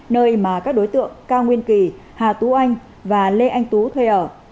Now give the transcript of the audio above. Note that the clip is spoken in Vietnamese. nơi mà các đối tượng cao nguyên kỳ hà tú anh và lê anh tú thuê ở